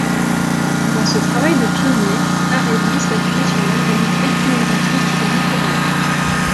Dans ce travail de pionnier, Arebi s'appuie sur l'analyse ethnographique et littéraire.